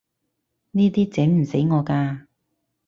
呢啲整唔死我㗎